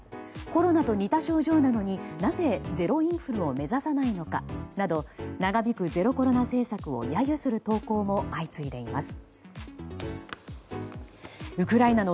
コロナと似た症状なのになぜ、ゼロインフルを目指さないのかなど長引くゼロコロナ政策を揶揄する投稿も相次いでいます。